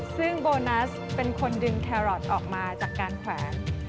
ซึ่งโบนัสเป็นคนดึงแครอทออกมาจากการแขวน